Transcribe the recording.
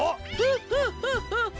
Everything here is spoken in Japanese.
ハハハハハ！